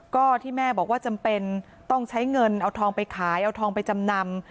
ก็ที่แม่บอกว่าจำเป็นต้องใช้เงินเอาทองไปขายเอาทองไปจำนำ